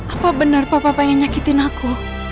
apa benar bapak pengen nyakitin aku